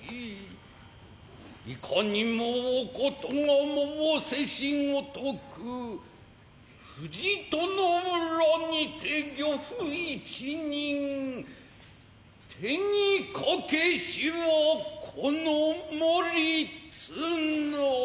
いかにもおことが申せしごとく藤戸の浦にて漁夫一人手にかけしはこの盛綱。